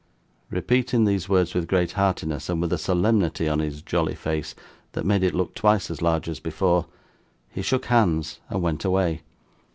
Repeating these words with great heartiness, and with a solemnity on his jolly face that made it look twice as large as before, he shook hands and went away.